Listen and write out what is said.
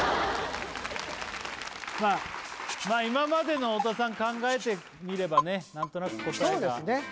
まあ今までの太田さん考えてみればね何となく答えがそうですね